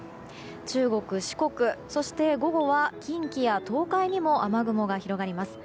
中国や四国、そして午後は近畿や東海にも雨雲が広がります。